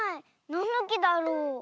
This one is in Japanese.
なんのきだろう？